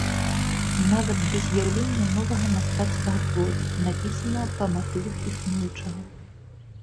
Нават да з'яўлення новага мастацкага твору, напісанага па матывах існуючага.